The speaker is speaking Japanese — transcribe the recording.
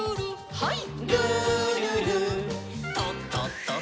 はい。